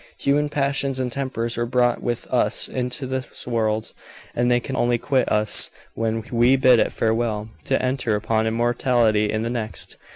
Human passions and tempers were brought with us into this world, and they can only quit us when we bid it farewell, to enter upon immortality in the next.